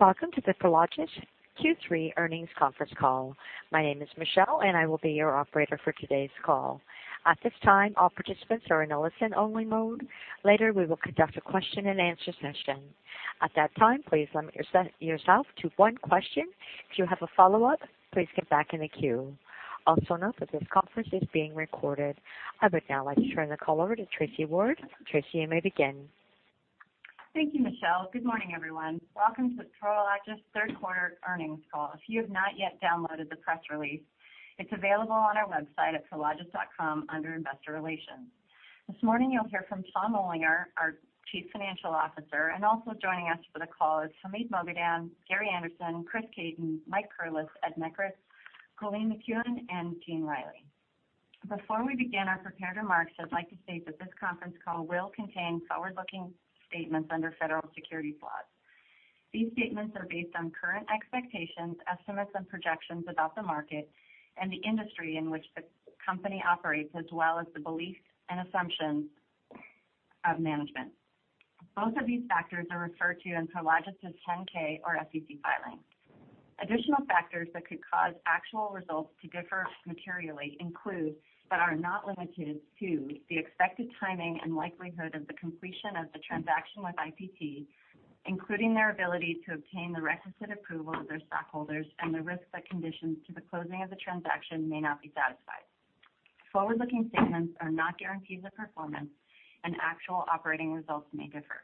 Welcome to the Prologis Q3 earnings conference call. My name is Michelle, and I will be your operator for today's call. At this time, all participants are in a listen-only mode. Later, we will conduct a question-and-answer session. At that time, please limit yourself to one question. If you have a follow-up, please get back in the queue. Note that this conference is being recorded. I would now like to turn the call over to Tracy Ward. Tracy, you may begin. Thank you, Michelle. Good morning, everyone. Welcome to Prologis' third quarter earnings call. If you have not yet downloaded the press release, it's available on our website at prologis.com under Investor Relations. This morning, you'll hear from Tom Olinger, our Chief Financial Officer, and also joining us for the call is Hamid Moghadam, Gary Anderson, Chris Caton, Mike Curless, Ed Nekritz, Colleen McKeown, and Gene Reilly. Before we begin our prepared remarks, I'd like to state that this conference call will contain forward-looking statements under federal security laws. These statements are based on current expectations, estimates, and projections about the market and the industry in which the company operates, as well as the beliefs and assumptions of management. Both of these factors are referred to in Prologis' 10-K or SEC filings. Additional factors that could cause actual results to differ materially include, but are not limited to, the expected timing and likelihood of the completion of the transaction with IPT, including their ability to obtain the requisite approval of their stockholders and the risks that conditions to the closing of the transaction may not be satisfied. Forward-looking statements are not guarantees of performance, and actual operating results may differ.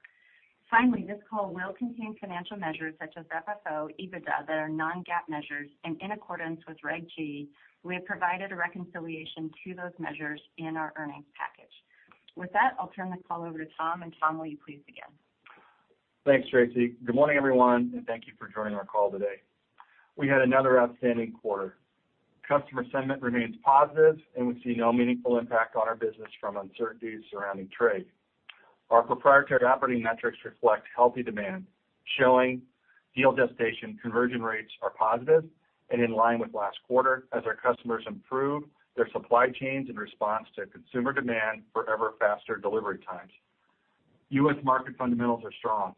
Finally, this call will contain financial measures such as FFO, EBITDA, that are non-GAAP measures, and in accordance with Reg G, we have provided a reconciliation to those measures in our earnings package. With that, I'll turn the call over to Tom, and Tom, will you please begin? Thanks, Tracy. Good morning, everyone, and thank you for joining our call today. We had another outstanding quarter. Customer sentiment remains positive, and we see no meaningful impact on our business from uncertainties surrounding trade. Our proprietary operating metrics reflect healthy demand, showing deal gestation conversion rates are positive and in line with last quarter as our customers improve their supply chains in response to consumer demand for ever-faster delivery times. U.S. market fundamentals are strong.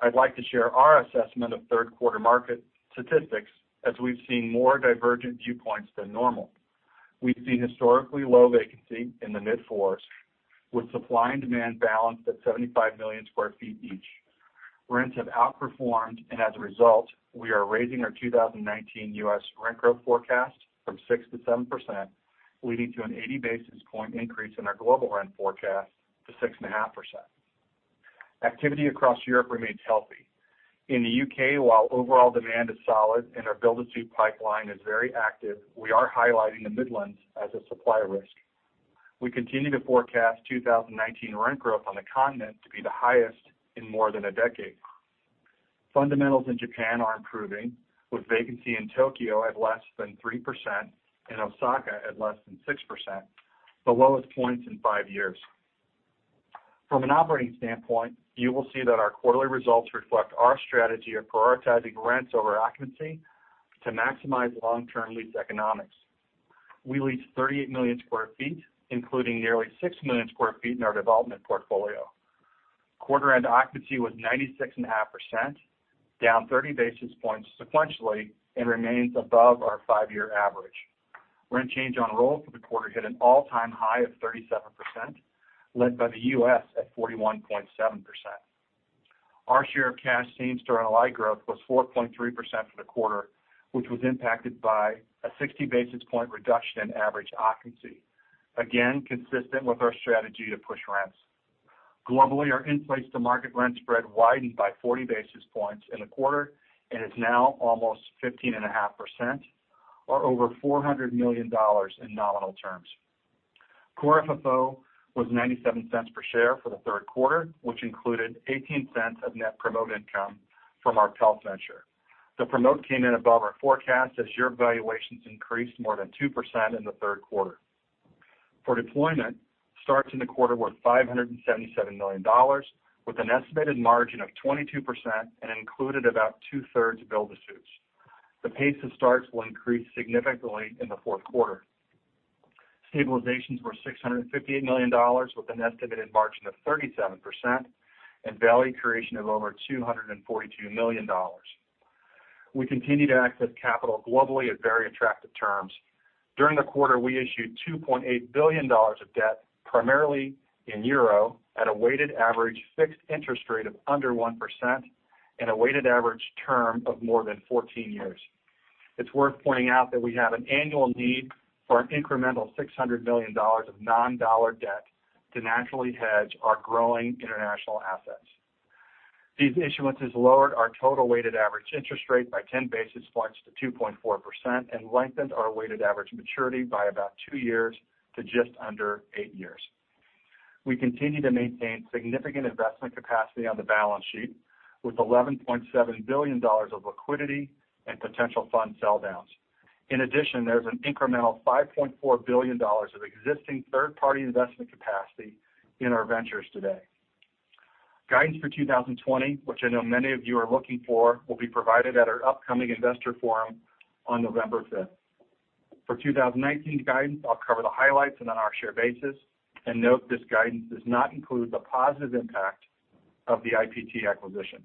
I'd like to share our assessment of third-quarter market statistics, as we've seen more divergent viewpoints than normal. We've seen historically low vacancy in the mid-fours with supply and demand balanced at 75 million square feet each. Rents have outperformed, and as a result, we are raising our 2019 U.S. rent growth forecast from 6% to 7%, leading to an 80-basis point increase in our global rent forecast to 6.5%. Activity across Europe remains healthy. In the U.K., while overall demand is solid and our build-to-suit pipeline is very active, we are highlighting the Midlands as a supply risk. We continue to forecast 2019 rent growth on the continent to be the highest in more than a decade. Fundamentals in Japan are improving, with vacancy in Tokyo at less than 3% and Osaka at less than 6%, the lowest points in five years. From an operating standpoint, you will see that our quarterly results reflect our strategy of prioritizing rents over occupancy to maximize long-term lease economics. We leased 38 million sq ft, including nearly 6 million sq ft in our development portfolio. Quarter-end occupancy was 96.5%, down 30 basis points sequentially and remains above our five-year average. Rent change on roll for the quarter hit an all-time high of 37%, led by the U.S. at 41.7%. Our share of cash same-store NOI growth was 4.3% for the quarter, which was impacted by a 60-basis point reduction in average occupancy. Consistent with our strategy to push rents. Globally, our in-place-to-market rent spread widened by 40 basis points in the quarter and is now almost 15.5%, or over $400 million in nominal terms. Core FFO was $0.97 per share for the third quarter, which included $0.18 of net promote income from our PELP venture. The promote came in above our forecast as EUR valuations increased more than 2% in the third quarter. For deployment, starts in the quarter were $577 million with an estimated margin of 22% and included about two-thirds build-to-suit. The pace of starts will increase significantly in the fourth quarter. Stabilizations were $658 million with an estimated margin of 37% and value creation of over $242 million. We continue to access capital globally at very attractive terms. During the quarter, we issued $2.8 billion of debt, primarily in euro, at a weighted average fixed interest rate of under 1% and a weighted average term of more than 14 years. It's worth pointing out that we have an annual need for an incremental $600 million of non-dollar debt to naturally hedge our growing international assets. These issuances lowered our total weighted average interest rate by 10 basis points to 2.4% and lengthened our weighted average maturity by about two years to just under eight years. We continue to maintain significant investment capacity on the balance sheet with $11.7 billion of liquidity and potential fund sell downs. In addition, there's an incremental $5.4 billion of existing third-party investment capacity in our ventures today. Guidance for 2020, which I know many of you are looking for, will be provided at our upcoming investor forum on November 5th. For 2019 guidance, I'll cover the highlights and on our share basis, and note this guidance does not include the positive impact of the IPT acquisition.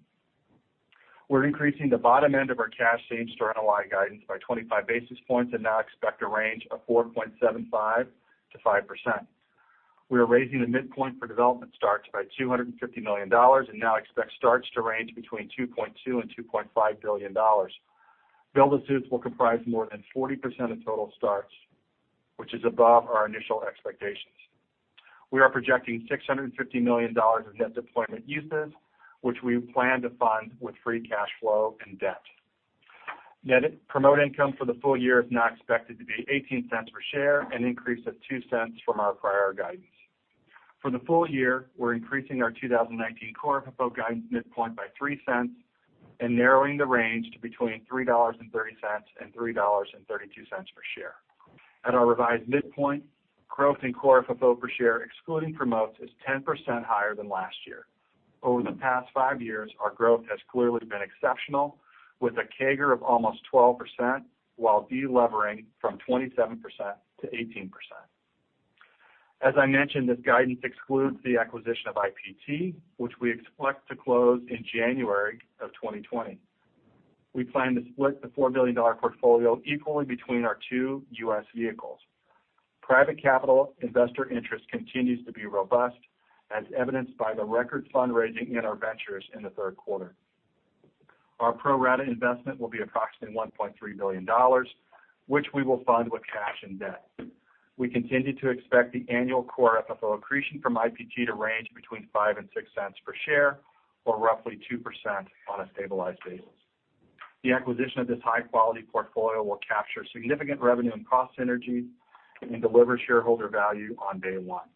We're increasing the bottom end of our cash same-store NOI guidance by 25 basis points and now expect a range of 4.75%-5%. We are raising the midpoint for development starts by $250 million and now expect starts to range between $2.2 billion-$2.5 billion. Build-to-suits will comprise more than 40% of total starts, which is above our initial expectations. We are projecting $650 million of net deployment uses, which we plan to fund with free cash flow and debt. Net promote income for the full year is now expected to be $0.18 per share, an increase of $0.02 from our prior guidance. For the full year, we're increasing our 2019 Core FFO guidance midpoint by $0.03 and narrowing the range to between $3.30 and $3.32 per share. At our revised midpoint, growth in Core FFO per share excluding promotes is 10% higher than last year. Over the past five years, our growth has clearly been exceptional, with a CAGR of almost 12%, while de-levering from 27% to 18%. As I mentioned, this guidance excludes the acquisition of IPT, which we expect to close in January of 2020. We plan to split the $4 billion portfolio equally between our two U.S. vehicles. Private capital investor interest continues to be robust, as evidenced by the record fundraising in our ventures in the third quarter. Our pro-rata investment will be approximately $1.3 billion, which we will fund with cash and debt. We continue to expect the annual Core FFO accretion from IPT to range between $0.05 and $0.06 per share, or roughly 2% on a stabilized basis. The acquisition of this high-quality portfolio will capture significant revenue and cost synergies and deliver shareholder value on day one.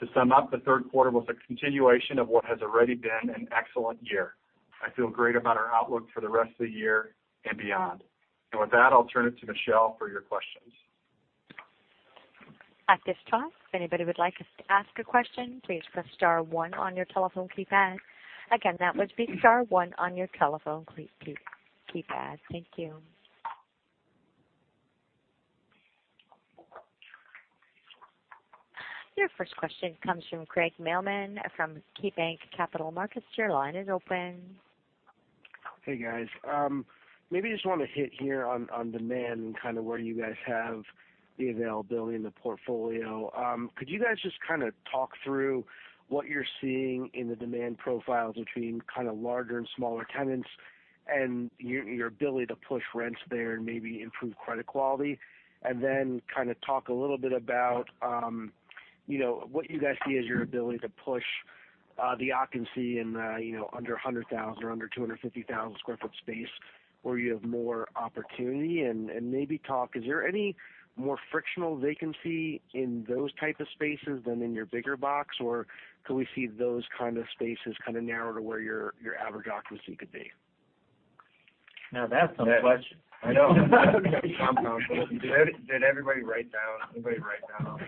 To sum up, the third quarter was a continuation of what has already been an excellent year. I feel great about our outlook for the rest of the year and beyond. With that, I'll turn it to Michelle for your questions. At this time, if anybody would like us to ask a question, please press star one on your telephone keypad. Again, that would be star one on your telephone keypad. Thank you. Your first question comes from Craig Mailman from KeyBanc Capital Markets. Your line is open. Hey, guys. Just want to hit here on demand and kind of where you guys have the availability in the portfolio. Could you guys just kind of talk through what you're seeing in the demand profiles between kind of larger and smaller tenants and your ability to push rents there and maybe improve credit quality? Kind of talk a little bit about what you guys see as your ability to push the occupancy in under 100,000 or under 250,000 square foot space where you have more opportunity and maybe talk, is there any more frictional vacancy in those type of spaces than in your bigger box? Could we see those kind of spaces kind of narrow to where your average occupancy could be? That's some question. I know. Did everybody write down? Everybody write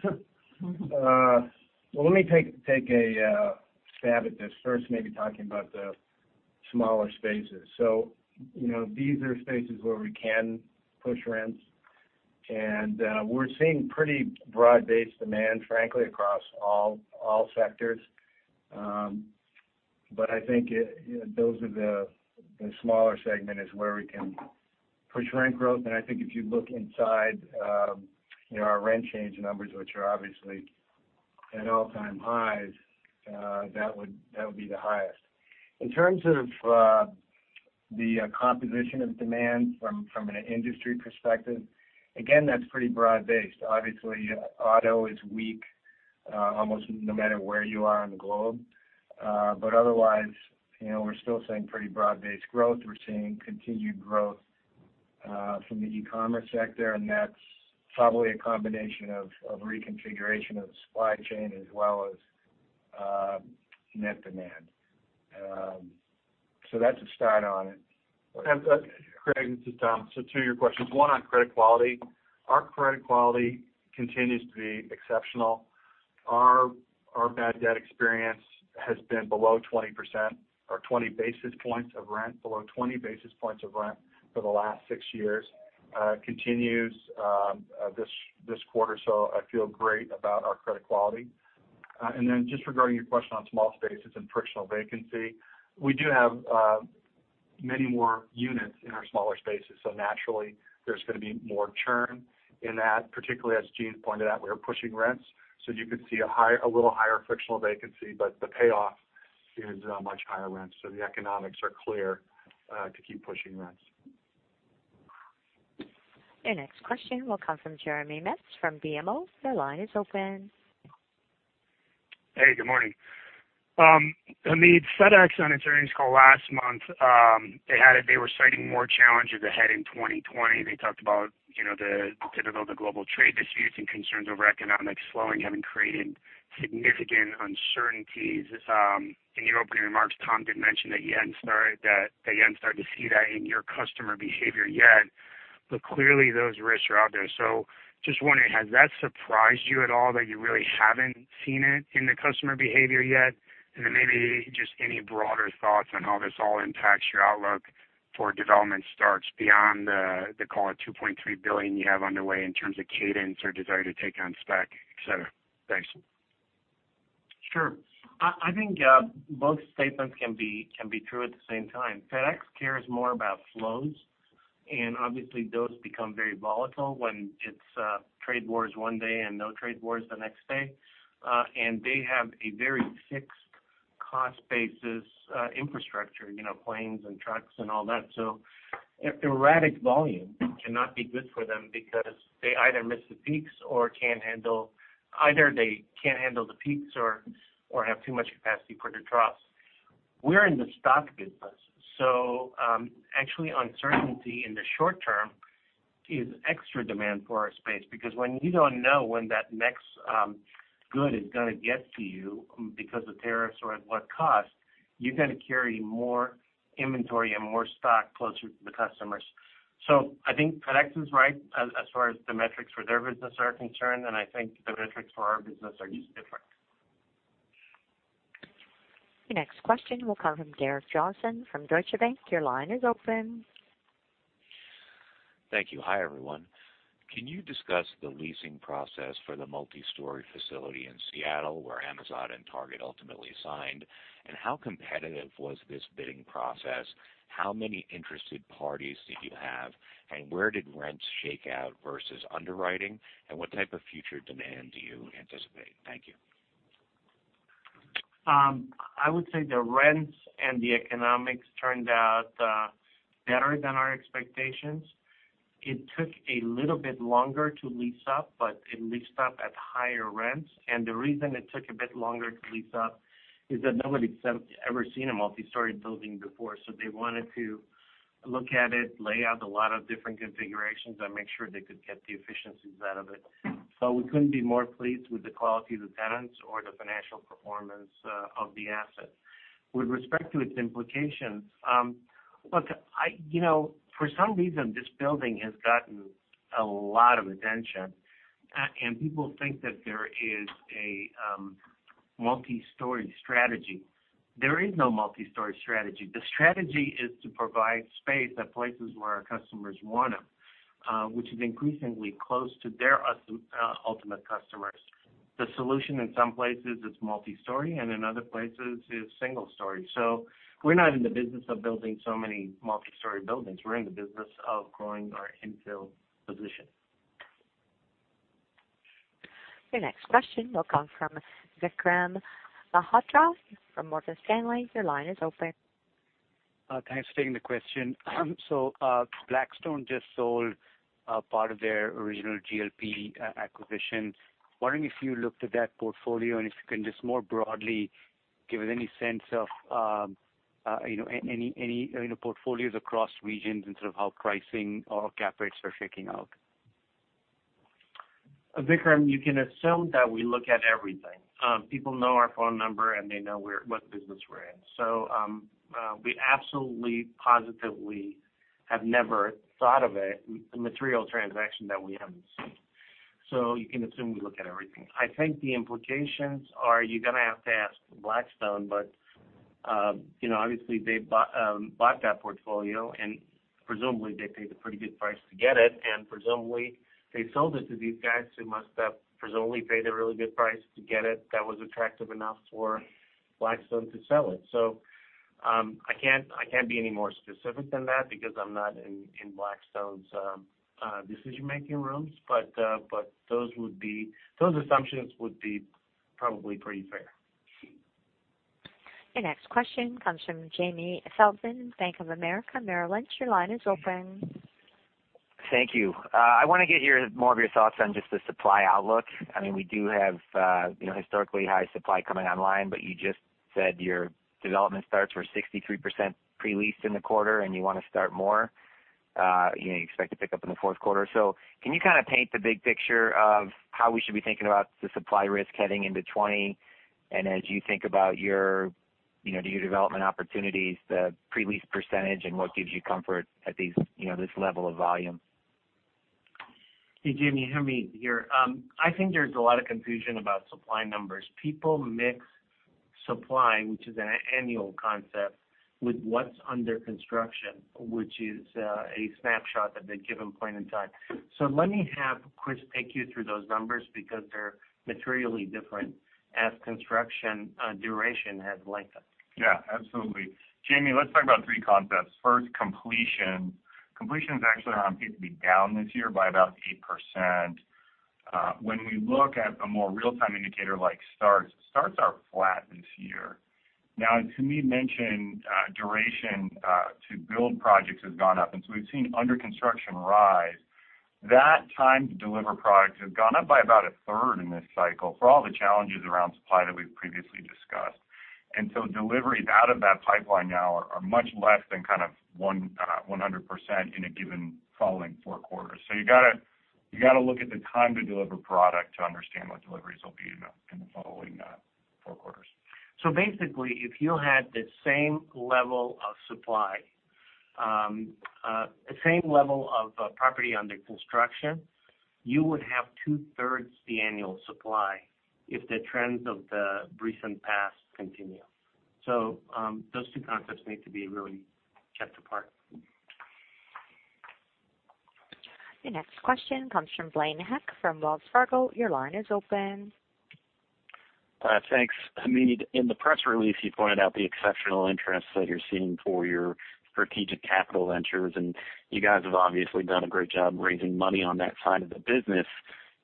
down. Well, let me take a stab at this first, maybe talking about the smaller spaces. These are spaces where we can push rents, and we're seeing pretty broad-based demand, frankly, across all sectors. I think those are the smaller segment is where we can push rent growth. I think if you look inside our rent change numbers, which are obviously at all-time highs, that would be the highest. In terms of the composition of demand from an industry perspective, again, that's pretty broad-based. Obviously, auto is weak almost no matter where you are on the globe. Otherwise, we're still seeing pretty broad-based growth. We're seeing continued growth from the e-commerce sector, and that's probably a combination of reconfiguration of the supply chain as well as net demand. That's a start on it. Craig, this is Tom. Two of your questions, one on credit quality. Our credit quality continues to be exceptional. Our bad debt experience has been below 20% or 20 basis points of rent, below 20 basis points of rent for the last six years, continues this quarter. I feel great about our credit quality. Then just regarding your question on small spaces and frictional vacancy, we do have many more units in our smaller spaces. Naturally, there's going to be more churn in that, particularly as Gene pointed out, we are pushing rents. You could see a little higher frictional vacancy, but the payoff is much higher rents. The economics are clear to keep pushing rents. Your next question will come from Jeremy Metz from BMO. Your line is open. Hey, good morning. Hamid, FedEx on its earnings call last month, they were citing more challenges ahead in 2020. They talked about the global trade disputes and concerns over economic slowing having created significant uncertainties. In your opening remarks, Tom did mention that you hadn't started to see that in your customer behavior yet. Clearly those risks are out there. Just wondering, has that surprised you at all that you really haven't seen it in the customer behavior yet? Then maybe just any broader thoughts on how this all impacts your outlook for development starts beyond the call it $2.3 billion you have underway in terms of cadence or desire to take on spec, et cetera? Thanks. Sure. I think both statements can be true at the same time. FedEx cares more about flows. Obviously those become very volatile when it's trade wars one day and no trade wars the next day. They have a very fixed cost basis infrastructure, planes and trucks and all that. Erratic volume cannot be good for them because they either miss the peaks or can't handle the peaks or have too much capacity for the troughs. We're in the stock business. Actually, uncertainty in the short term is extra demand for our space because when you don't know when that next good is going to get to you because of tariffs or at what cost, you're going to carry more inventory and more stock closer to the customers. I think FedEx is right as far as the metrics for their business are concerned, and I think the metrics for our business are just different. Your next question will come from Derek Johnston from Deutsche Bank. Your line is open. Thank you. Hi, everyone. Can you discuss the leasing process for the multi-story facility in Seattle where Amazon and Target ultimately signed? How competitive was this bidding process? How many interested parties did you have, and where did rents shake out versus underwriting? What type of future demand do you anticipate? Thank you. I would say the rents and the economics turned out better than our expectations. It took a little bit longer to lease up, but it leased up at higher rents. The reason it took a bit longer to lease up is that nobody's ever seen a multi-story building before, so they wanted to look at it, lay out a lot of different configurations, and make sure they could get the efficiencies out of it. We couldn't be more pleased with the quality of the tenants or the financial performance of the asset. With respect to its implications, look, for some reason, this building has gotten a lot of attention, and people think that there is a multi-story strategy. There is no multi-story strategy. The strategy is to provide space at places where our customers want them, which is increasingly close to their ultimate customers. The solution in some places is multi-story, and in other places is single story. We're not in the business of building so many multi-story buildings. We're in the business of growing our infill position. Your next question will come from Vikram Malhotra from Morgan Stanley. Your line is open. Thanks for taking the question. Blackstone just sold a part of their original GLP acquisition. Wondering if you looked at that portfolio, and if you can just more broadly give us any sense of any portfolios across regions in sort of how pricing or cap rates are shaking out. Vikram, you can assume that we look at everything. People know our phone number, and they know what business we're in. We absolutely, positively have never thought of it, a material transaction that we haven't seen. You can assume we look at everything. I think the implications are, you're going to have to ask Blackstone, but obviously they bought that portfolio, and presumably, they paid a pretty good price to get it. Presumably, they sold it to these guys who must have presumably paid a really good price to get it that was attractive enough for Blackstone to sell it. I can't be any more specific than that because I'm not in Blackstone's decision-making rooms. Those assumptions would be probably pretty fair. Your next question comes from Jamie Feldman, Bank of America Merrill Lynch. Your line is open. Thank you. I want to get more of your thoughts on just the supply outlook. We do have historically high supply coming online, but you just said your development starts were 63% pre-leased in the quarter and you want to start more. You expect to pick up in the fourth quarter. Can you kind of paint the big picture of how we should be thinking about the supply risk heading into 2020? As you think about your new development opportunities, the pre-lease percentage, and what gives you comfort at this level of volume? Hey, Jamie, hear me here. I think there's a lot of confusion about supply numbers. People mix supply, which is an annual concept, with what's under construction, which is a snapshot at a given point in time. Let me have Chris take you through those numbers because they're materially different as construction duration has lengthened. Yeah, absolutely. Jamie, let's talk about three concepts. First, completion. Completion is actually on pace to be down this year by about 8%. When we look at a more real-time indicator like starts are flat this year. Now, as Hamid mentioned, duration to build projects has gone up, and so we've seen under construction rise. That time to deliver products has gone up by about a third in this cycle for all the challenges around supply that we've previously discussed. Deliveries out of that pipeline now are much less than 100% in a given following four quarters. You got to look at the time to deliver product to understand what deliveries will be in the following four quarters. Basically, if you had the same level of supply, the same level of property under construction, you would have two-thirds the annual supply if the trends of the recent past continue. Those two concepts need to be really kept apart. The next question comes from Blaine Heck from Wells Fargo. Your line is open. Thanks. Hamid, in the press release, you pointed out the exceptional interest that you're seeing for your strategic capital ventures, and you guys have obviously done a great job raising money on that side of the business.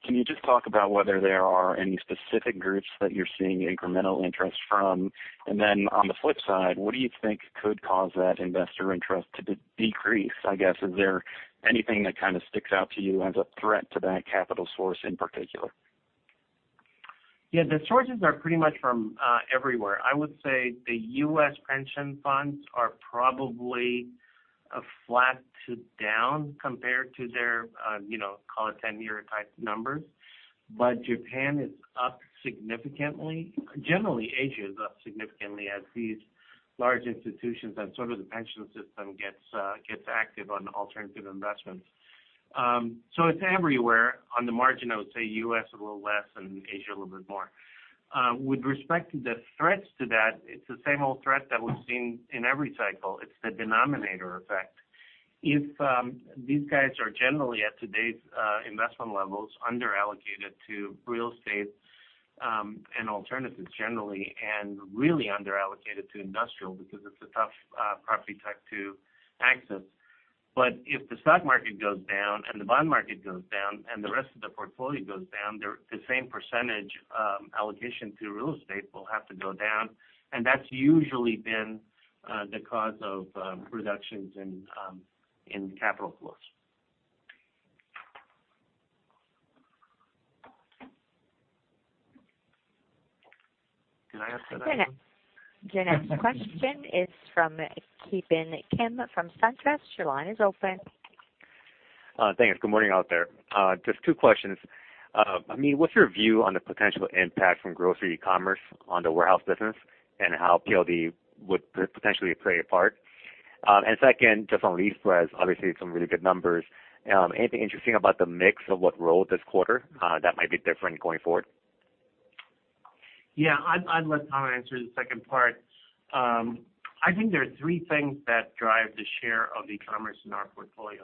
Can you just talk about whether there are any specific groups that you're seeing incremental interest from? On the flip side, what do you think could cause that investor interest to decrease? I guess, is there anything that kind of sticks out to you as a threat to that capital source in particular? Yeah. The sources are pretty much from everywhere. I would say the U.S. pension funds are probably flat to down compared to their, call it 10-year type numbers. Japan is up significantly. Generally, Asia is up significantly as these large institutions and sort of the pension system gets active on alternative investments. It's everywhere. On the margin, I would say U.S. a little less and Asia a little bit more. With respect to the threats to that, it's the same old threat that we've seen in every cycle. It's the denominator effect. If these guys are generally at today's investment levels, under-allocated to real estate, and alternatives generally, and really under-allocated to industrial because it's a tough property type to access. If the stock market goes down and the bond market goes down and the rest of the portfolio goes down, the same percentage allocation to real estate will have to go down, and that's usually been the cause of reductions in capital flows. Did I answer that? The next question is from Ki Bin Kim from SunTrust. Your line is open. Thanks. Good morning out there. Just two questions. Hamid, what's your view on the potential impact from grocery e-commerce on the warehouse business, and how PLD would potentially play a part? Second, just on lease spreads, obviously some really good numbers. Anything interesting about the mix of what rolled this quarter that might be different going forward? Yeah. I'd let Tom answer the second part. I think there are three things that drive the share of e-commerce in our portfolio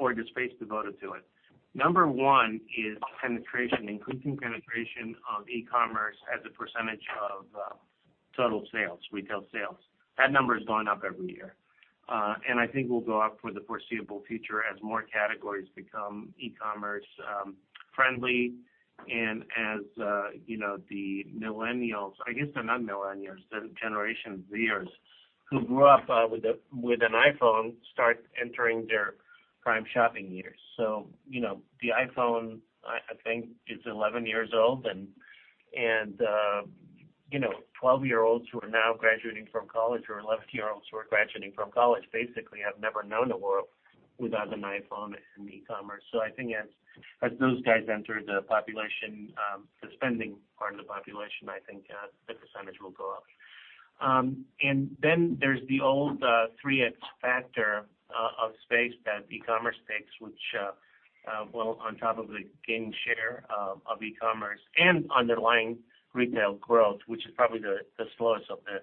or the space devoted to it. Number one is penetration, increasing penetration of e-commerce as a percentage of total sales, retail sales. That number has gone up every year. I think will go up for the foreseeable future as more categories become e-commerce friendly and as the millennials, I guess they're not millennials, the Generation Z who grew up with an iPhone, start entering their prime shopping years. The iPhone, I think is 11 years old, and 12-year-olds who are now graduating from college, or 11-year-olds who are graduating from college, basically have never known a world without an iPhone and e-commerce. I think as those guys enter the spending part of the population, I think the percentage will go up. There's the old 3x factor of space that e-commerce takes, which, well, on top of the gain share of e-commerce and underlying retail growth, which is probably the slowest of the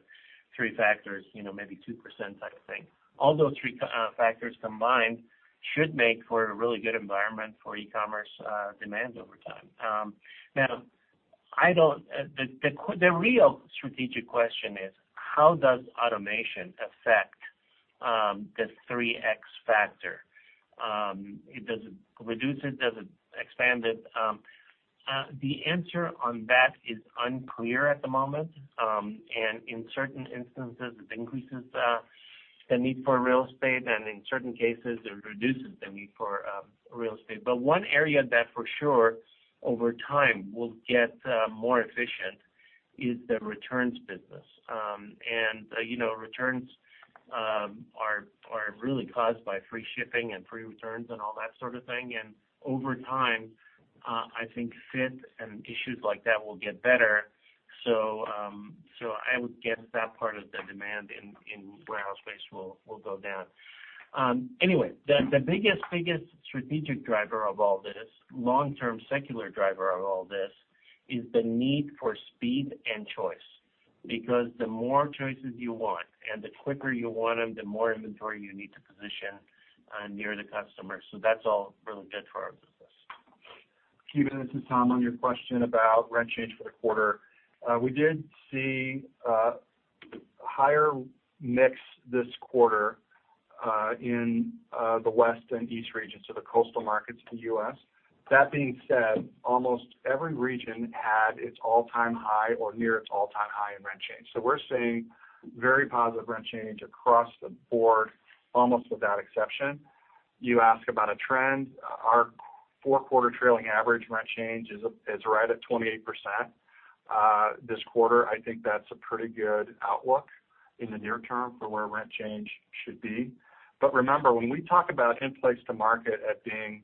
three factors, maybe 2% type of thing. All those three factors combined should make for a really good environment for e-commerce demand over time. Now, the real strategic question is, how does automation affect this 3x factor? Does it reduce it? Does it expand it? The answer on that is unclear at the moment. In certain instances, it increases the need for real estate, and in certain cases, it reduces the need for real estate. One area that for sure over time will get more efficient is the returns business. Returns are really caused by free shipping and free returns and all that sort of thing. Over time, I think fit and issues like that will get better. I would guess that part of the demand in warehouse space will go down. The biggest strategic driver of all this, long-term secular driver of all this, is the need for speed and choice. The more choices you want and the quicker you want them, the more inventory you need to position near the customer. That's all really good for our business. Ki Bin, this is Tom, on your question about rent change for the quarter. We did see a higher mix this quarter in the west and east regions, so the coastal markets of the U.S. That being said, almost every region had its all-time high or near its all-time high in rent change. We're seeing very positive rent change across the board, almost without exception. You ask about a trend. Our four-quarter trailing average rent change is right at 28%. This quarter, I think that's a pretty good outlook in the near term for where rent change should be. Remember, when we talk about in-place to market at being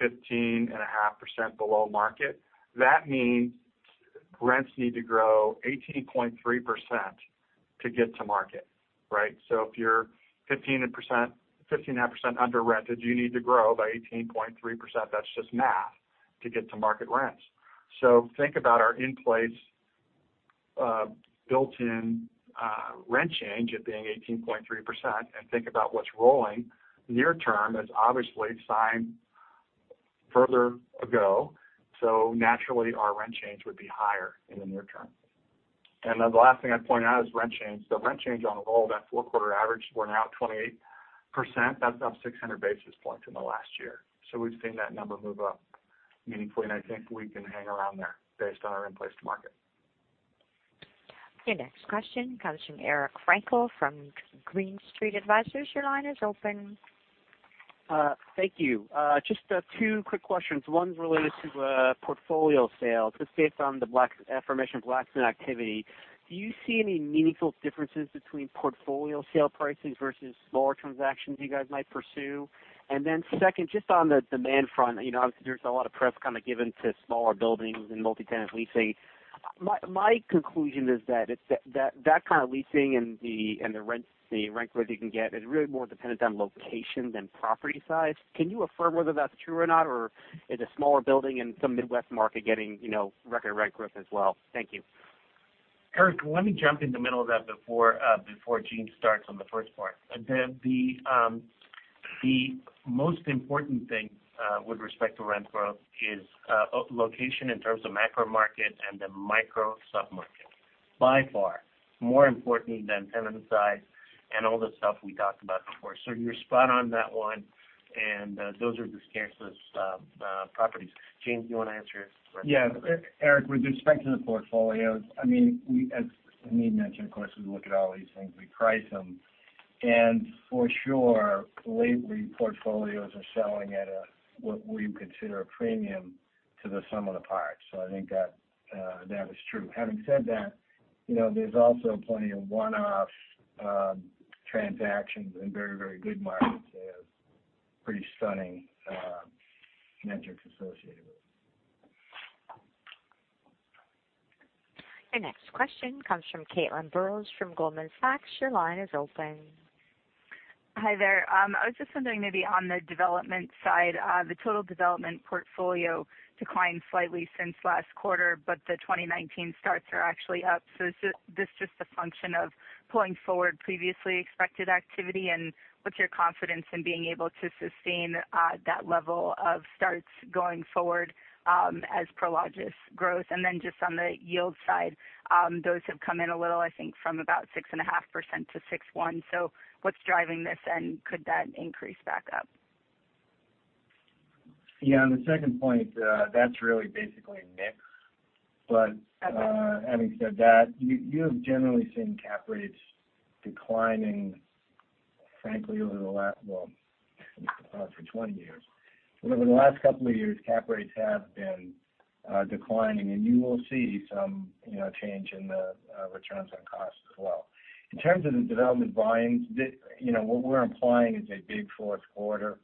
15.5% below market, that means rents need to grow 18.3% to get to market, right? If you're 15.5% under rented, you need to grow by 18.3%, that's just math, to get to market rents. Think about our in-place. Built-in rent change at being 18.3%. Think about what's rolling near term is obviously signed further ago. Naturally, our rent change would be higher in the near term. The last thing I'd point out is rent change. The rent change on all that four-quarter average, we're now at 28%. That's up 600 basis points in the last year. We've seen that number move up meaningfully, and I think we can hang around there based on our in-place to market. Your next question comes from Eric Frankel from Green Street Advisors. Your line is open. Thank you. Just two quick questions. One's related to portfolio sales, just based on the affirmation of Blackstone activity. Do you see any meaningful differences between portfolio sale pricing versus smaller transactions you guys might pursue? Second, just on the demand front, obviously, there's a lot of press given to smaller buildings and multi-tenant leasing. My conclusion is that that kind of leasing and the rent growth you can get is really more dependent on location than property size. Can you affirm whether that's true or not, or is a smaller building in some Midwest market getting record rent growth as well? Thank you. Eric, let me jump in the middle of that before Gene starts on the first part. The most important thing with respect to rent growth is location in terms of macro market and the micro sub-market. By far, more important than tenant size and all the stuff we talked about before. You're spot on that one, and those are the scarce properties. Gene, do you want to answer? Yeah. Eric, with respect to the portfolios, as Hamid mentioned, of course, we look at all these things, we price them. For sure, lately, portfolios are selling at what we consider a premium to the sum of the parts. I think that is true. Having said that, there's also plenty of one-off transactions in very good markets that have pretty stunning metrics associated with them. Your next question comes from Caitlin Burrows from Goldman Sachs. Your line is open. Hi there. I was just wondering maybe on the development side. The total development portfolio declined slightly since last quarter, but the 2019 starts are actually up. Is this just a function of pulling forward previously expected activity, and what's your confidence in being able to sustain that level of starts going forward as Prologis grows? Just on the yield side, those have come in a little, I think, from about 6.5%-6.1%. What's driving this, and could that increase back up? On the second point, that's really basically mix. Okay. Having said that, you have generally seen cap rates declining, frankly, over the last, well, for 20 years. Over the last couple of years, cap rates have been declining, and you will see some change in the returns on costs as well. In terms of the development volumes, what we're implying is a big fourth quarter,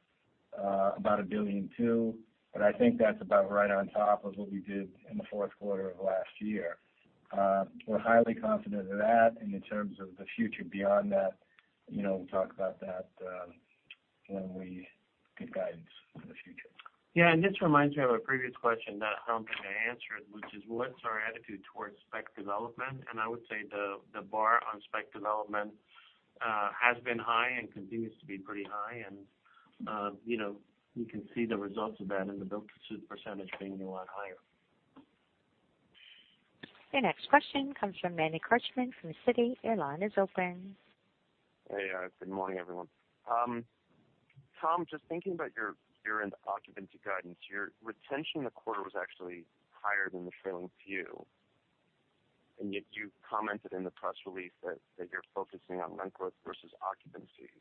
about $1.2 billion, but I think that's about right on top of what we did in the fourth quarter of last year. We're highly confident of that, and in terms of the future beyond that, we'll talk about that when we give guidance for the future. This reminds me of a previous question that Tom didn't answer, which is what's our attitude towards spec development? I would say the bar on spec development has been high and continues to be pretty high, and you can see the results of that in the build-to-suit percentage being a lot higher. Your next question comes from Manny Korchman from Citi. Your line is open. Hey. Good morning, everyone. Tom, just thinking about your year-end occupancy guidance. Your retention in the quarter was actually higher than the trailing few, and yet you commented in the press release that you're focusing on rent growth versus occupancy.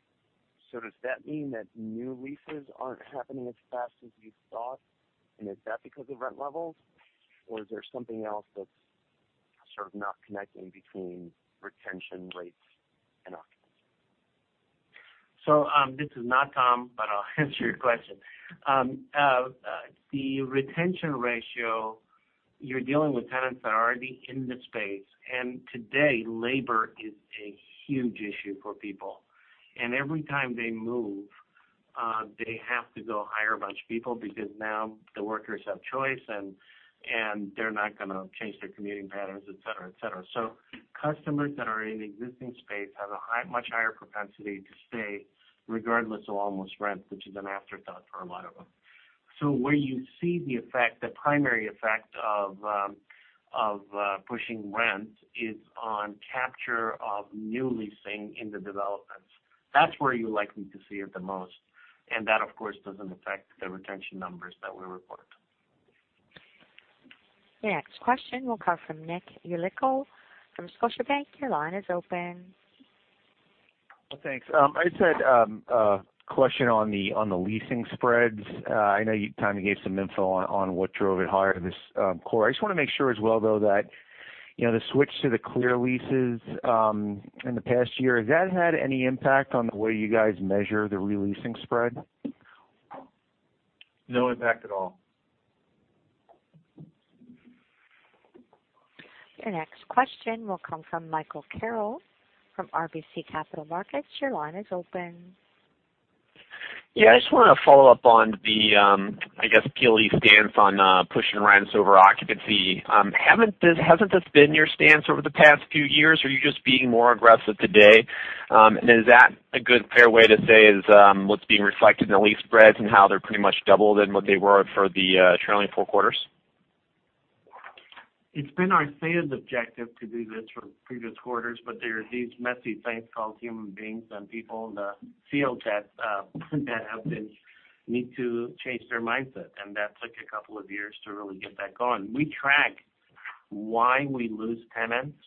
Does that mean that new leases aren't happening as fast as you thought? Is that because of rent levels, or is there something else that's sort of not connecting between retention rates and occupancy? This is not Tom, but I'll answer your question. The retention ratio, you're dealing with tenants that are already in the space, and today labor is a huge issue for people. Every time they move, they have to go hire a bunch of people because now the workers have choice, and they're not going to change their commuting patterns, et cetera. Customers that are in existing space have a much higher propensity to stay regardless of almost rent, which is an afterthought for a lot of them. Where you see the effect, the primary effect of pushing rent is on capture of new leasing in the developments. That's where you're likely to see it the most, and that, of course, doesn't affect the retention numbers that we report. The next question will come from Nicholas Yulico from Scotiabank. Your line is open. Thanks. I just had a question on the leasing spreads. I know you kind of gave some info on what drove it higher this quarter. I just want to make sure as well, though, that the switch to the Clear Lease in the past year, has that had any impact on the way you guys measure the re-leasing spread? No impact at all. The next question will come from Michael Carroll from RBC Capital Markets. Your line is open. Yeah, I just want to follow up on the, I guess, PLD stance on pushing rents over occupancy. Hasn't this been your stance over the past few years? Are you just being more aggressive today? Is that a good fair way to say is what's being reflected in the lease spreads and how they're pretty much doubled in what they were for the trailing four quarters? It's been our stated objective to do this for previous quarters. There are these messy things called human beings and people in the field that need to change their mindset, and that took a couple of years to really get that going. We track why we lose tenants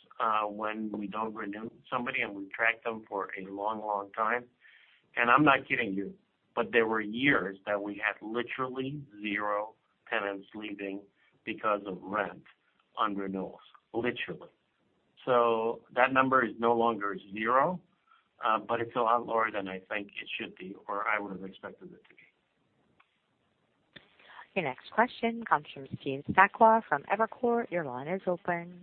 when we don't renew somebody. We've tracked them for a long, long time. I'm not kidding you. There were years that we had literally zero tenants leaving because of rent on renewals. Literally. That number is no longer zero. It's a lot lower than I think it should be, or I would've expected it to be. Your next question comes from Steve Sakwa from Evercore. Your line is open.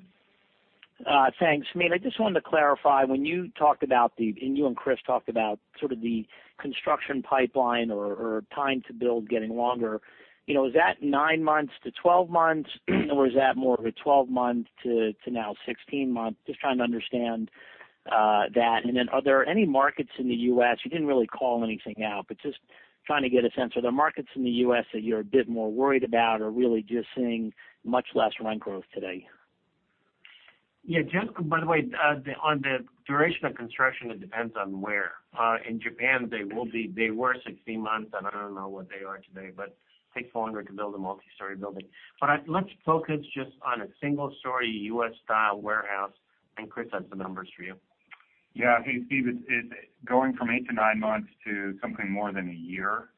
Thanks. I mean, I just wanted to clarify when you and Chris talked about sort of the construction pipeline or time to build getting longer. Is that nine months to 12 months or is that more of a 12-month to now 16 months? Just trying to understand that. Are there any markets in the U.S., you didn't really call anything out, but just trying to get a sense. Are there markets in the U.S. that you're a bit more worried about or really just seeing much less rent growth today? Yeah. Just by the way, on the duration of construction, it depends on where. In Japan, they were 16 months, and I don't know what they are today, but takes longer to build a multi-story building. Let's focus just on a single-story, U.S.-style warehouse, and Chris has the numbers for you. Hey, Steve. It's going from eight to nine months to something more than a year.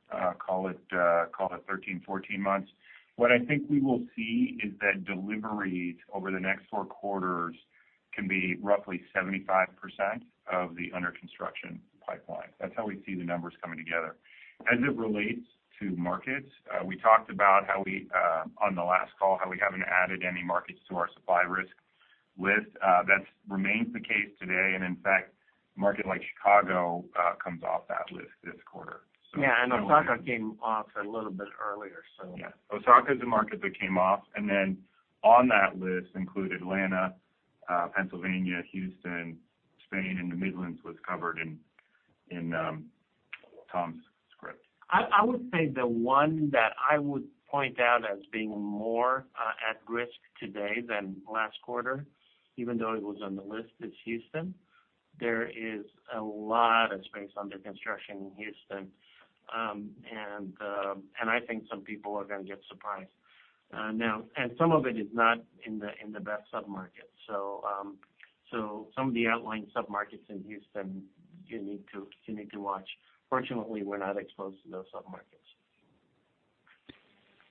Call it 13, 14 months. What I think we will see is that deliveries over the next four quarters can be roughly 75% of the under-construction pipeline. That's how we see the numbers coming together. As it relates to markets, we talked about on the last call how we haven't added any markets to our supply risk list. That remains the case today. In fact, a market like Chicago comes off that list this quarter. Yeah, Osaka came off a little bit earlier. Yeah. Osaka is the market that came off. On that list include Atlanta, Pennsylvania, Houston, Spain, and the Midlands was covered in Tom's script. I would say the one that I would point out as being more at risk today than last quarter, even though it was on the list, is Houston. There is a lot of space under construction in Houston. I think some people are going to get surprised. Some of it is not in the best sub-market. Some of the outlying sub-markets in Houston you need to watch. Fortunately, we're not exposed to those sub-markets.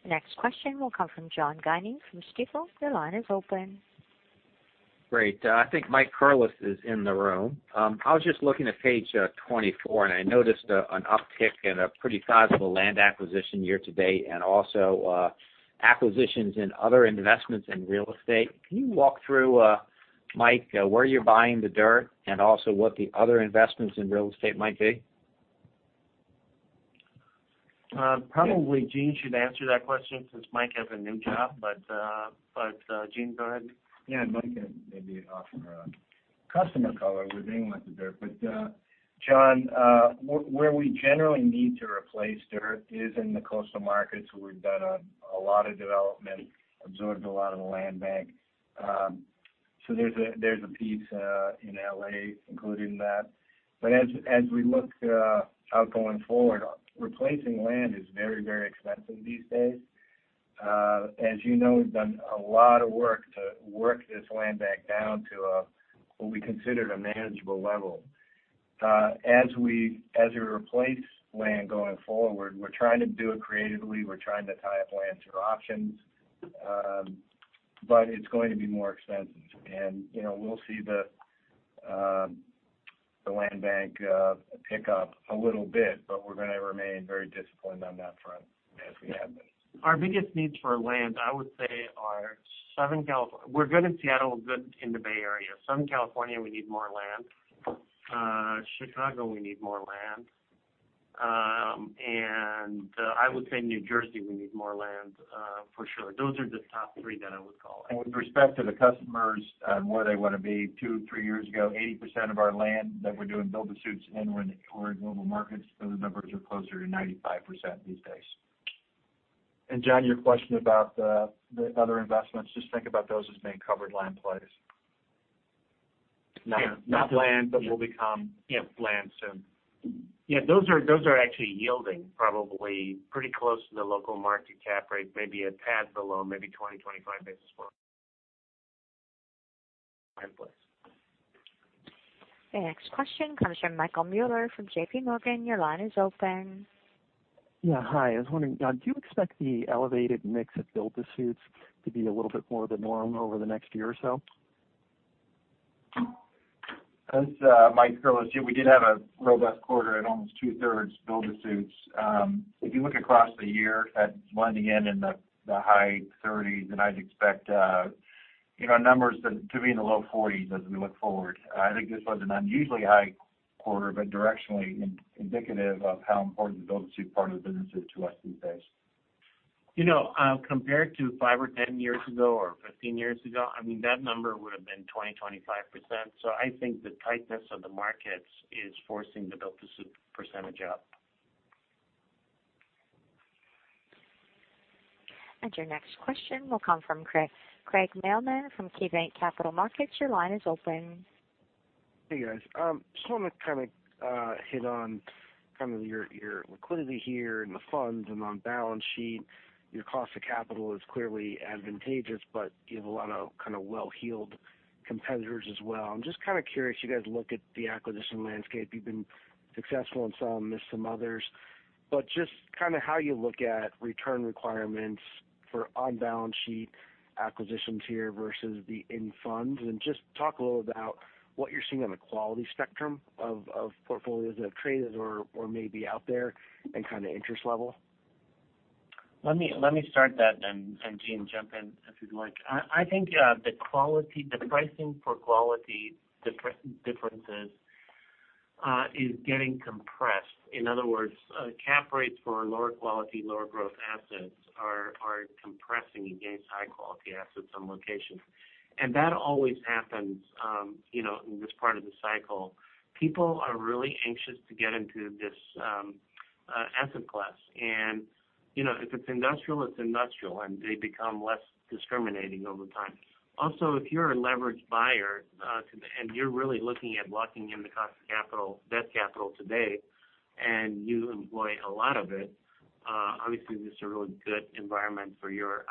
The next question will come from John Guinee from Stifel. Your line is open. Great. I think Mike Curless is in the room. I was just looking at page 24, and I noticed an uptick in a pretty sizable land acquisition year to date and also acquisitions in other investments in real estate. Can you walk through, Mike, where you're buying the dirt and also what the other investments in real estate might be? Probably Gene should answer that question since Mike has a new job. Gene, go ahead. Yeah. Mike can maybe offer a customer color. We're being with the dirt. John, where we generally need to replace dirt is in the coastal markets where we've done a lot of development, absorbed a lot of the land bank. There's a piece in L.A. included in that. As we look out going forward, replacing land is very, very expensive these days. As you know, we've done a lot of work to work this land bank down to what we considered a manageable level. As we replace land going forward, we're trying to do it creatively. We're trying to tie up land through options. It's going to be more expensive and we'll see the land bank pick up a little bit, but we're going to remain very disciplined on that front as we have been. Our biggest needs for land, I would say, are Southern California. We're good in Seattle, we're good in the Bay Area. Southern California, we need more land. Chicago, we need more land. I would say New Jersey, we need more land for sure. Those are the top three that I would call out. With respect to the customers and where they want to be, two, three years ago, 80% of our land that we do in build-to-suits and we're in global markets. Those numbers are closer to 95% these days. John, your question about the other investments, just think about those as being covered land plays. Not land, but will become land soon. Yeah. Those are actually yielding probably pretty close to the local market cap rate, maybe a tad below, maybe 20, 25 basis for land plays. The next question comes from Michael Mueller from J.P. Morgan. Your line is open. Yeah. Hi. I was wondering, do you expect the elevated mix of build-to-suits to be a little bit more of the norm over the next year or so? This is Mike Curless. Yeah, we did have a robust quarter at almost two-thirds build-to-suits. If you look across the year at blending in the high 30s, then I'd expect our numbers to be in the low 40s as we look forward. I think this was an unusually high quarter, but directionally indicative of how important the build-to-suit part of the business is to us these days. Compared to five or 10 years ago or 15 years ago, that number would've been 20, 25%. I think the tightness of the markets is forcing the build-to-suit percentage up. Your next question will come from Craig Mailman from KeyBanc Capital Markets. Your line is open. Hey, guys. Just want to hit on your liquidity here and the funds and on balance sheet. Your cost of capital is clearly advantageous, but you have a lot of well-heeled competitors as well. I'm just curious, you guys look at the acquisition landscape. You've been successful in some, missed some others. Just how you look at return requirements for on-balance sheet acquisitions here versus the in-funds, and just talk a little about what you're seeing on the quality spectrum of portfolios that have traded or may be out there and kind of interest level. Let me start that. Gene, jump in if you'd like. I think the pricing for quality differences is getting compressed. In other words, cap rates for lower quality, lower growth assets are compressing against high-quality assets on location. That always happens in this part of the cycle. People are really anxious to get into this asset class. If it's industrial, it's industrial, and they become less discriminating over time. If you're a leveraged buyer, and you're really looking at locking in the cost of debt capital today, and you employ a lot of it, obviously this is a really good environment for your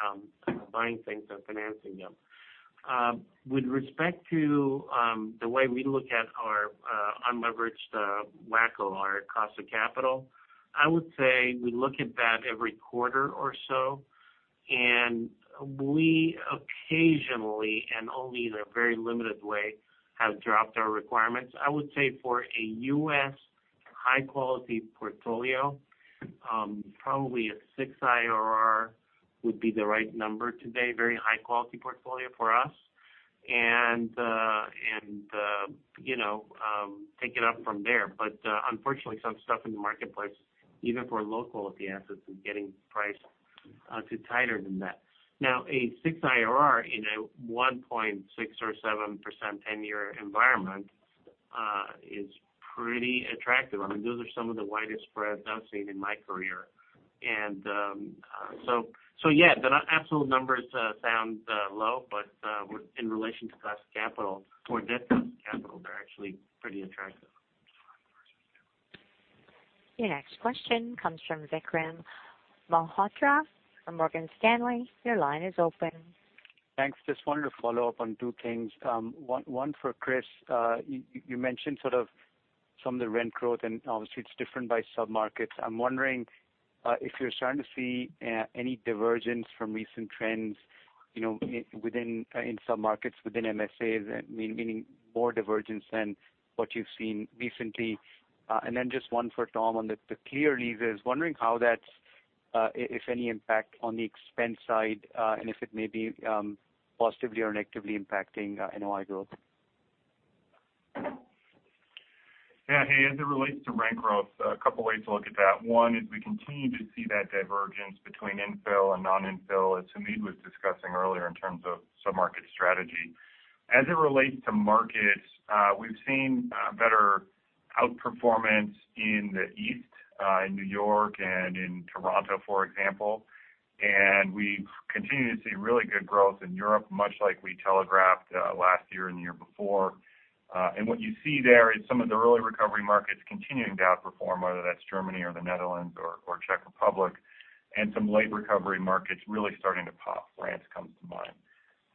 buying things and financing them. With respect to the way we look at our unleveraged WACC or our cost of capital, I would say we look at that every quarter or so. We occasionally, and only in a very limited way, have dropped our requirements. I would say for a U.S. high-quality portfolio, probably a six IRR would be the right number today. Very high-quality portfolio for us. Take it up from there. Unfortunately, some stuff in the marketplace, even for low-quality assets, is getting priced tighter than that. Now, a six IRR in a 1.6% or 7% 10-year environment is pretty attractive. Those are some of the widest spreads I've seen in my career. Yeah, the absolute numbers sound low, but in relation to cost of capital or net cost of capital, they're actually pretty attractive. Your next question comes from Vikram Malhotra from Morgan Stanley. Your line is open. Thanks. Just wanted to follow up on two things. One for Chris. You mentioned some of the rent growth, and obviously it's different by sub-markets. I'm wondering if you're starting to see any divergence from recent trends in sub-markets within MSAs, meaning more divergence than what you've seen recently. Just one for Tom on the Clear Lease. Wondering if any impact on the expense side, and if it may be positively or negatively impacting NOI growth? As it relates to rent growth, a couple ways to look at that. One is we continue to see that divergence between infill and non-infill, as Hamid was discussing earlier in terms of sub-market strategy. As it relates to markets, we've seen better outperformance in the East, in New York and in Toronto, for example, and we continue to see really good growth in Europe, much like we telegraphed last year and the year before. What you see there is some of the early recovery markets continuing to outperform, whether that's Germany or the Netherlands or Czech Republic, and some late recovery markets really starting to pop. France comes to mind.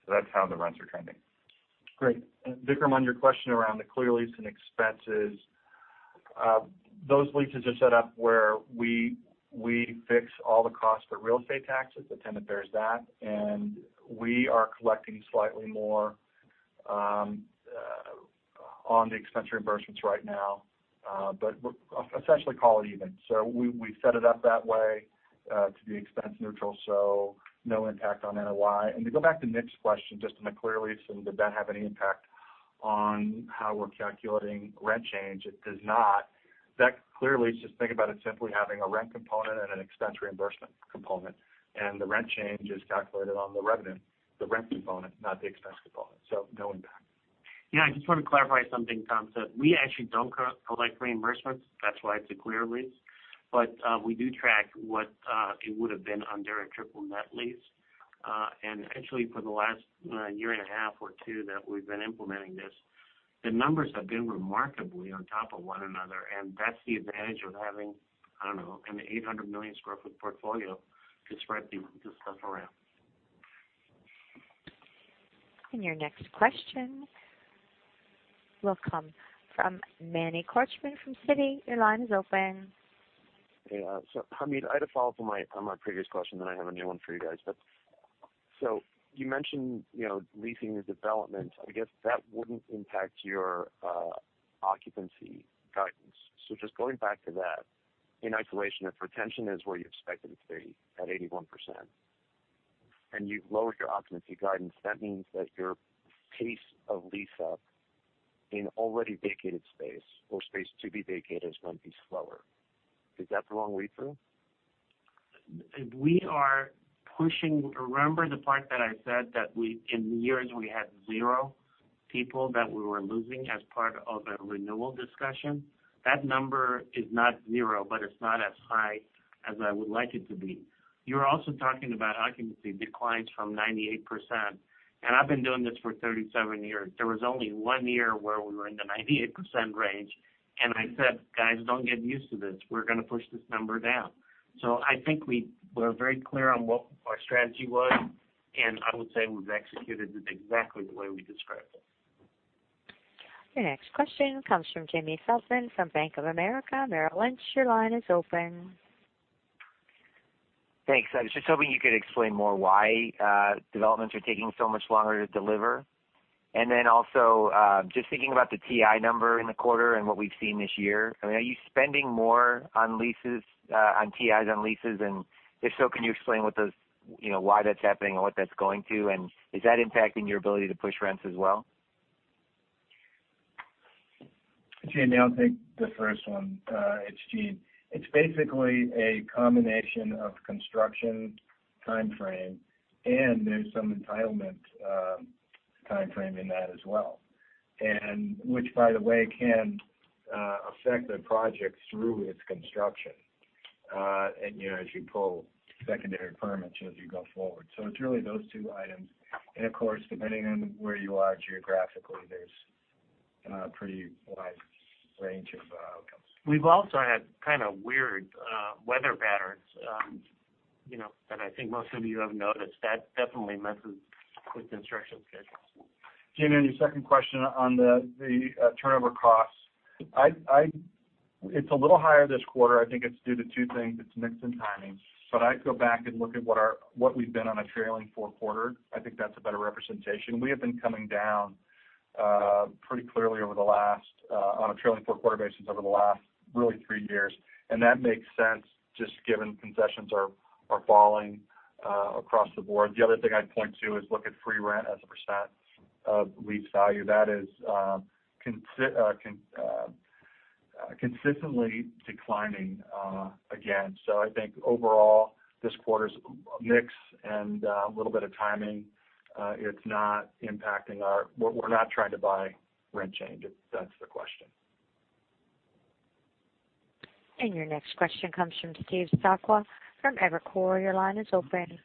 That's how the rents are trending. Great. Vikram, on your question around the Clear Lease and expenses. Those leases are set up where we fix all the costs but real estate taxes, the tenant bears that, and we are collecting slightly more on the expense reimbursements right now. Essentially call it even. We set it up that way to be expense neutral, so no impact on NOI. To go back to Nick's question just on the Clear Leasing, did that have any impact on how we're calculating rent change? It does not. That Clear Lease, just think about it simply having a rent component and an expense reimbursement component, and the rent change is calculated on the revenue, the rent component, not the expense component. No impact. Yeah, I just want to clarify something, Tom. We actually don't collect reimbursements. That's why it's a Clear Lease. We do track what it would've been under a triple net lease. Actually, for the last year and a half or two that we've been implementing this, the numbers have been remarkably on top of one another, and that's the advantage of having, I don't know, an 800 million square foot portfolio to spread this stuff around. Your next question will come from Manny Korchman from Citi. Your line is open. Hey. Hamid, I had a follow-up on my previous question, then I have a new one for you guys. You mentioned leasing the development. I guess that wouldn't impact your occupancy guidance. Just going back to that, in isolation, if retention is where you expect it to be, at 81%, and you've lowered your occupancy guidance, that means that your pace of lease-up in already vacated space or space to be vacated is going to be slower. Is that the wrong read-through? Remember the part that I said that in the years we had zero people that we were losing as part of a renewal discussion? That number is not zero, it's not as high as I would like it to be. You're also talking about occupancy declines from 98%, I've been doing this for 37 years. There was only one year where we were in the 98% range, I said, "Guys, don't get used to this. We're going to push this number down." I think we're very clear on what our strategy was, I would say we've executed it exactly the way we described it. Your next question comes from Jamie Feldman from Bank of America Merrill Lynch, your line is open. Thanks. I was just hoping you could explain more why developments are taking so much longer to deliver? Also, just thinking about the TI number in the quarter and what we've seen this year, are you spending more on TIs on leases? If so, can you explain why that's happening and what that's going to, and is that impacting your ability to push rents as well? Jamie, I'll take the first one. It's Gene. It's basically a combination of construction timeframe, and there's some entitlement timeframe in that as well, which by the way, can affect the project through its construction and as you pull secondary permits as you go forward. It's really those two items. Of course, depending on where you are geographically, there's a pretty wide range of outcomes. We've also had kind of weird weather patterns that I think most of you have noticed. That definitely messes with construction schedules. Jamie, on your second question on the turnover costs, it's a little higher this quarter. I think it's due to two things. It's mix and timing. I'd go back and look at what we've done on a trailing four-quarter. I think that's a better representation. We have been coming down pretty clearly on a trailing four-quarter basis over the last really three years, and that makes sense just given concessions are falling across the board. The other thing I'd point to is look at free rent as a % of lease value. That is consistently declining again. I think overall, this quarter's a mix and a little bit of timing. We're not trying to buy rent change, if that's the question. Your next question comes from Steve Sakwa from Evercore. Your line is open.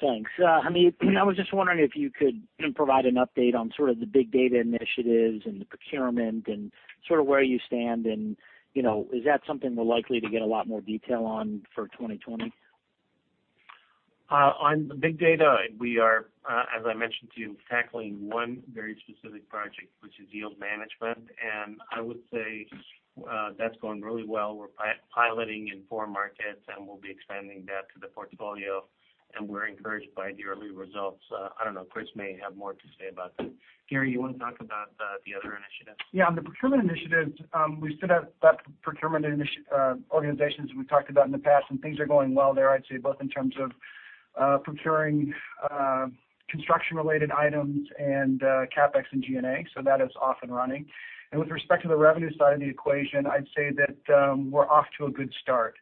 Thanks. Hamid, I was just wondering if you could provide an update on sort of the big data initiatives and the procurement and sort of where you stand, and is that something we're likely to get a lot more detail on for 2020? On the big data, we are, as I mentioned to you, tackling one very specific project, which is yield management. I would say that's going really well. We're piloting in four markets, and we'll be expanding that to the portfolio, and we're encouraged by the early results. I don't know, Chris may have more to say about that. Gary, you want to talk about the other initiatives? On the procurement initiatives, we stood up that procurement organizations we talked about in the past, and things are going well there, I'd say, both in terms of procuring construction-related items and CapEx and G&A, so that is off and running. With respect to the revenue side of the equation, I'd say that we're off to a good start.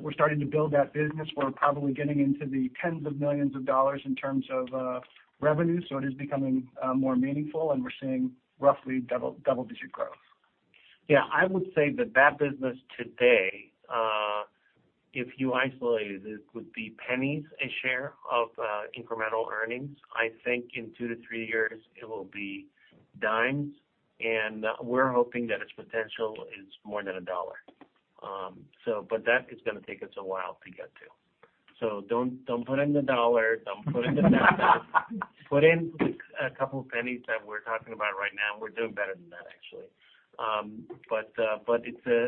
We're starting to build that business. We're probably getting into the tens of millions of dollars in terms of revenue. It is becoming more meaningful, and we're seeing roughly double-digit growth. Yeah, I would say that that business today, if you isolated it, would be pennies a share of incremental earnings. I think in two to three years it will be dimes, and we're hoping that its potential is more than a dollar. That is going to take us a while to get to. Don't put in the dollar. Don't put in a couple pennies that we're talking about right now. We're doing better than that, actually.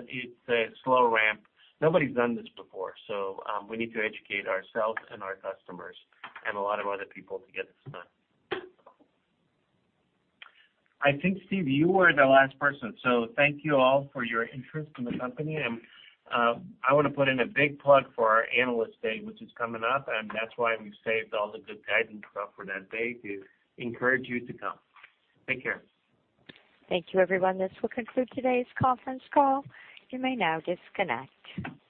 It's a slow ramp. Nobody's done this before, so we need to educate ourselves and our customers and a lot of other people to get this done. I think, Steve, you were the last person. Thank you all for your interest in the company, and I want to put in a big plug for our Analyst Day, which is coming up, and that's why we've saved all the good guidance stuff for that day to encourage you to come. Take care. Thank you, everyone. This will conclude today's conference call. You may now disconnect.